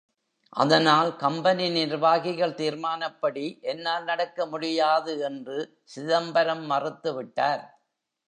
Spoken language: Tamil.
அதனால், கம்பெனி நிர்வாகிகள் தீர்மானப்படி என்னால் நடக்க முடியாது என்று சிதம்பரம் மறுத்து விட்டார்.